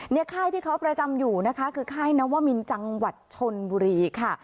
ค่ายที่เขาประจำอยู่นะคะคือค่ายนัวมินจังหวัดชนบุรีค่ะ